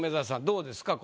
どうですか？